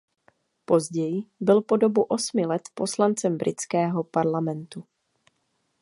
Později byl po dobu osmi let poslancem britského parlamentu.